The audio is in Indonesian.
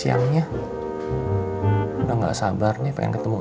hanya udah gak sabarnya pengen tempuh